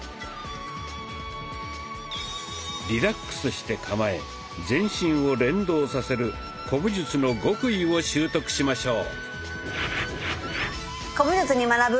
リラックスして構え全身を連動させる古武術の極意を習得しましょう。